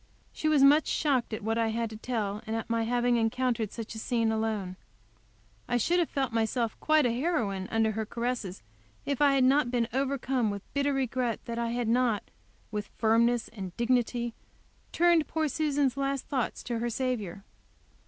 She was much shocked at what I had to tell, and at my having encountered such a scene alone I should have felt myself quite a heroine under her caresses if I had not been overcome with bitter regret that I had not, with firmness and dignity turned poor Susan's last thoughts to her Saviour.